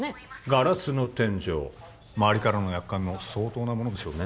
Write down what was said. ガラスの天井周りからのやっかみも相当なものでしょうね